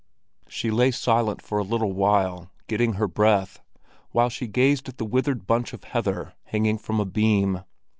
She lay silent for a little while, getting her breath, while she gazed at a withered bunch of heather hanging from a beam.